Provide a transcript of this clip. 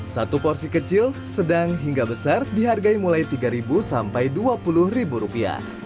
satu porsi kecil sedang hingga besar dihargai mulai tiga ribu sampai dua puluh rupiah